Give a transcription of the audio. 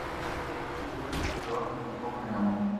Ella no es muy buena en su trabajo, ni tampoco en el amor.